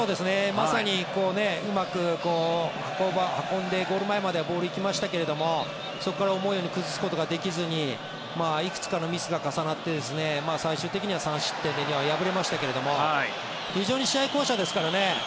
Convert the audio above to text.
まさにうまく運んでゴール前まではボールが行きましたけどそこから思うように崩すことができずにいくつかのミスが重なって最終的には３失点で敗れましたけど非常に試合巧者ですから。